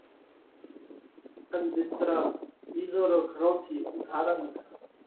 ان ڀسترا ٻِيزون رو گھرون ٿِي اُوڌارا لِيڌا۔